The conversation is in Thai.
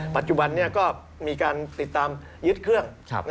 ปัจจุบันนี้ก็มีการติดตามยึดเครื่อง